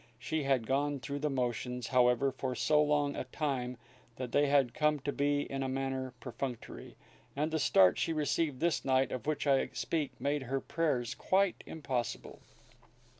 She had gone through the motions, however, for so long a time that they had come to be in a manner perfunctory, and the start she received on this night of which I speak made her prayers quite impossible.